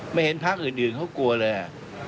ไม่เห็นภาคอื่นเขากลัวเลย